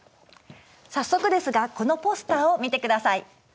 早速ですがこのポスターを見てください。